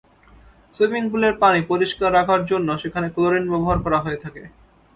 Swimming পুলের পানি পরিষ্কার রাখার জন্য সেখানে ক্লোরিন ব্যবহার করা হয়ে থাকে।